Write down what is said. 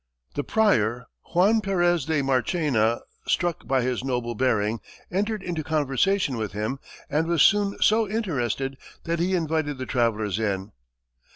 The prior, Juan Perez de Marchena, struck by his noble bearing, entered into conversation with him and was soon so interested that he invited the travellers in.